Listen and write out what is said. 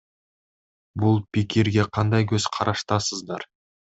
Бул пикирге кандай көз караштасыздар?